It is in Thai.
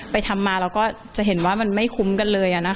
ทำมาเราก็จะเห็นว่ามันไม่คุ้มกันเลย